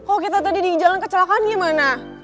kalau kita tadi di jalan kecelakaan gimana